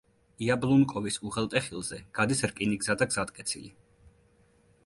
იაბლუნკოვის უღელტეხილზე გადის რკინიგზა და გზატკეცილი.